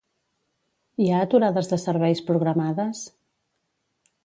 Hi ha aturades de serveis programades?